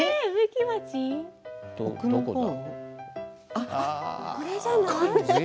あっこれじゃない？